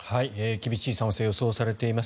厳しい寒さが予想されています。